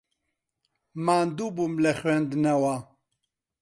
ماندوو بووم لە خوێندنەوە.